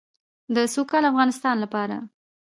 د سوکاله افغانستان لپاره.